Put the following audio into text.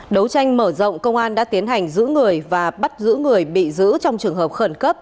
đấu tranh mở rộng công an đã tiến hành giữ người và bắt giữ người bị giữ trong trường hợp khẩn cấp